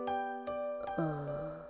ああ。